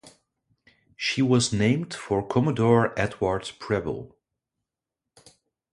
She was named for Commodore Edward Preble.